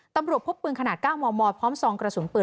ตำรวจพบปืนขนาด๙มมพร้อมซองกระสุนปืน